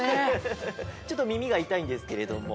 ちょっとみみがいたいんですけれども。